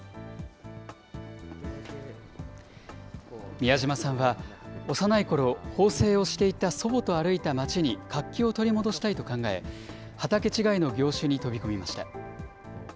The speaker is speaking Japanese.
宮島さんは、幼いころ、縫製をしていた祖母と歩いた街に活気を取り戻したいと考え、畑違いの業種に飛び込みました。